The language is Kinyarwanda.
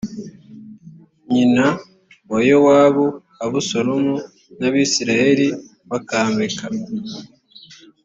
nyina wa yowabu abusalomu n abisirayeli bakambika